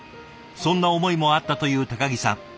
そんな思いもあったという木さん。